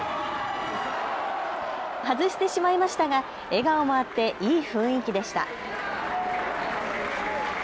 外してしまいましたが笑顔もあっていい雰囲気でした。